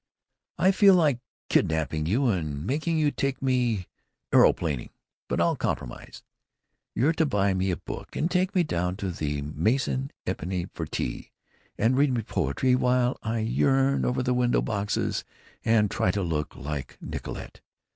I feel like kidnapping you and making you take me aeroplaning, but I'll compromise. You're to buy me a book and take me down to the Maison Épinay for tea, and read me poetry while I yearn over the window boxes and try to look like Nicollette.